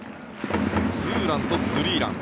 ツーランとスリーラン。